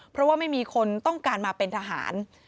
เพราะว่าไม่มีคนต้องการมาเป็นทหาร